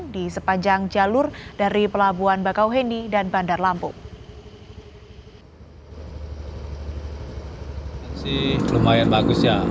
di sepanjang jalur dari pelabuhan bakauheni dan bandar lampung